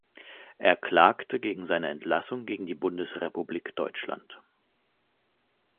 Er klagte gegen seine Entlassung gegen die Bundesrepublik Deutschland.